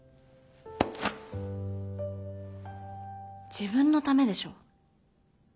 自分のためでしょ。